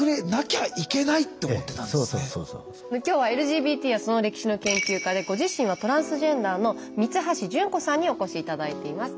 今日はＬＧＢＴやその歴史の研究家でご自身はトランスジェンダーの三橋順子さんにお越し頂いています。